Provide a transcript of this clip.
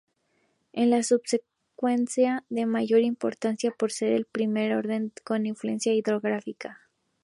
Es la subcuenca de mayor importancia por ser de primer orden de confluencia hidrográfica.